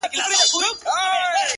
دادی اوس هم کومه; بيا کومه; بيا کومه;